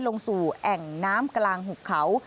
ลงสู่แอ่งน้ำกลางหุบเขา